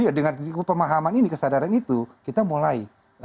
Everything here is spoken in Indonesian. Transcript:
jadi dengan pemahaman ini kesadaran itu kita mulai